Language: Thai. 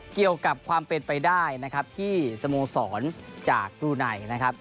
เกี่ยวกับความเป็นไปได้ที่สโมสรจากรูไนด์